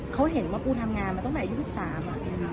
เขาเห็นว่าปูทำงานมาตั้งแต่๒๓